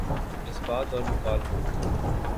جذبات اور مکالموں